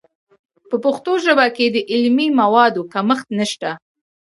په پښتو ژبه کې د علمي موادو کمښت نشته.